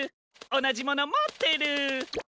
おなじものもってる！